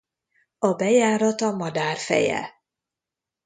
A bejárat a madár feje.